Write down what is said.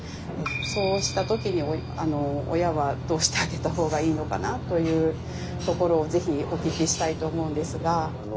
そうした時に親はどうしてあげた方がいいのかなというところをぜひお聞きしたいと思うんですが。